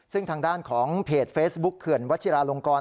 ซึ่งทางด้านของเพจเฟซบุ๊คเขื่อนวัชิราลงกร